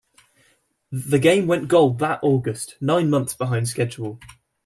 The game went gold that August, nine months behind schedule.